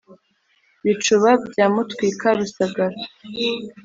bicuba bya mutwika rusagara.